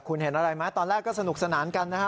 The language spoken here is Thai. คุณเห็นอะไรไหมตอนแรกก็สนุกสนานกันนะฮะ